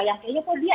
yang kayaknya kok dia